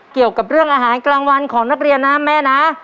เกี่ยวกับเรื่องอาหารกลางวันของนักเรียนนะแม่นะ